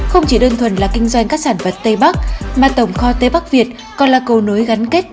không chỉ đơn thuần là kinh doanh các sản vật tây bắc mà tổng kho tây bắc việt còn là cầu nối gắn kết